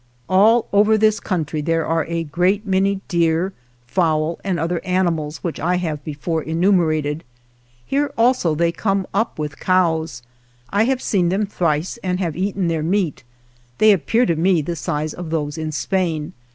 All over this country there are a great many deer, fowl and other animals which I have before enumerated. Here also they come up with cows ; I have seen them thrice and have eaten their meat. They appear to me of the size of those in Spain.